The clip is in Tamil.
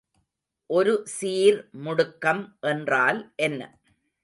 ஒருசீர் முடுக்கம் என்றால் என்ன?